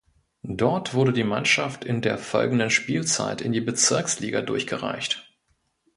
Dort wurde die Mannschaft in der folgenden Spielzeit in die Bezirksliga durchgereicht.